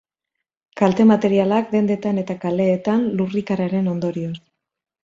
Kalte materialak dendetan eta kaleetan, lurrikararen ondorioz.